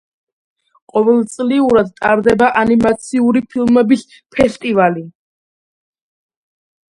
ყოველწლიურად ტარდება ანიმაციური ფილმების ფესტივალი.